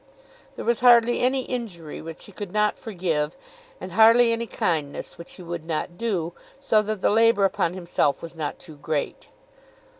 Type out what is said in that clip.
There was hardly any injury which he could not forgive, and hardly any kindness which he would not do, so that the labour upon himself was not too great.